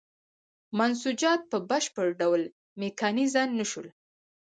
منسوجات په بشپړ ډول میکانیزه نه شول.